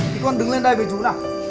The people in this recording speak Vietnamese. thì con đứng lên đây với chú nào